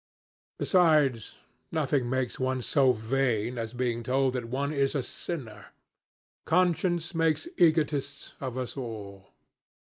Besides, nothing makes one so vain as being told that one is a sinner. Conscience makes egotists of us all.